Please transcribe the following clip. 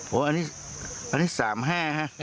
โหอันนี้๓๕ฮะ